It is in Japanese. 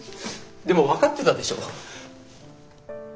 でも分かってたでしょ？